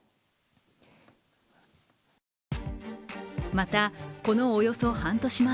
また、このおよそ半年前。